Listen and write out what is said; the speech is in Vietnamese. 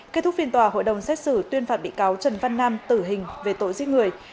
kết thúc phiên tòa hội đồng xét xử tuyên phạt bị cáo trần văn nam tử hình về tội giết người